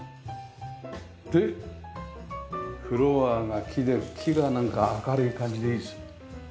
でフロアが木で木がなんか明るい感じでいいですね。